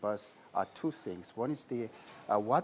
permintaan bus untuk jakarta